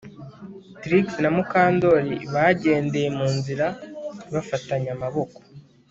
Trix na Mukandoli bagendeye mu nzira bafatanye amaboko